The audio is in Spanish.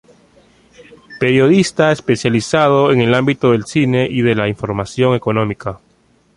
Periodista, especializado en el ámbito del cine y de la información económica.